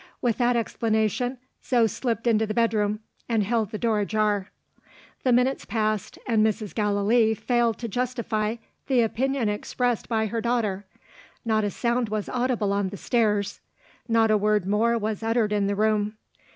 With that explanation, Zo slipped into the bedroom, and held the door ajar. The minutes passed and Mrs. Gallilee failed to justify the opinion expressed by her daughter. Not a sound was audible on the stairs. Not a word more was uttered in the room.